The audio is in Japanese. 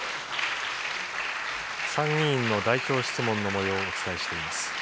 参議院の代表質問のもようをお伝えしています。